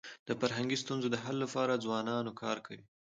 د فرهنګي ستونزو د حل لپاره ځوانان کار کوي.